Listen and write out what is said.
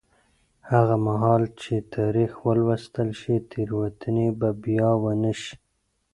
هغه مهال چې تاریخ ولوستل شي، تېروتنې به بیا ونه شي.